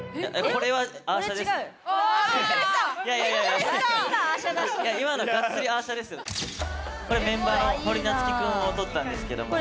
これメンバーの堀夏喜くんを撮ったんですけども。